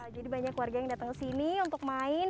jadi banyak warga yang datang ke sini untuk main